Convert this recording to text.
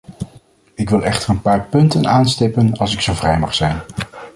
Ik wil echter een paar punten aanstippen, als ik zo vrij mag zijn.